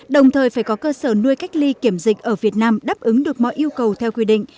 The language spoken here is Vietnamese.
đồng thời phải có cơ sở nuôi cách ly kiểm dịch ở việt nam đáp ứng được mọi yêu cầu theo quy định